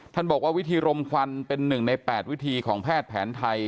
บอกว่าวิธีรมควันเป็น๑ใน๘วิธีของแพทย์แผนไทย